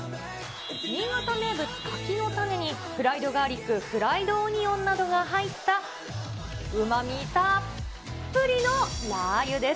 新潟名物、柿の種に、フライドガーリック、フライドオニオンなどが入ったうまみたっぷりのラー油です。